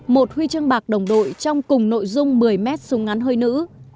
một huy chương bạc đồng đội trong cùng nội dung một mươi mét súng ngắn hơi nữ